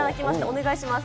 お願いします。